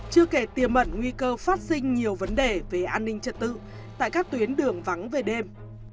chưa kể tiềm mẩn nguy cơ phát sinh nhiều vấn đề về an ninh trật tự tại các tuyến đường vắng về đêm